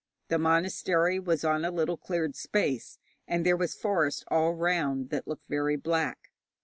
The monastery was on a little cleared space, and there was forest all round that looked very black.